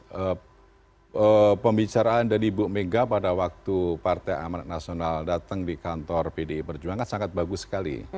jadi kalau pembicaraan dari ibu mega pada waktu partai amat nasional datang di kantor pdi perjuangan sangat bagus sekali